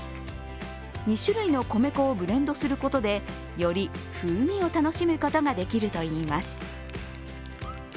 ２種類の米粉をブレンドすることでより風味を楽しむことができるといいます。